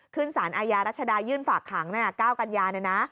ขึ้นสารอายารัชดายยื่นฝากขังในก้าวกัญญาณ